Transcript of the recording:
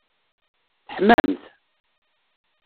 Teḥmamt?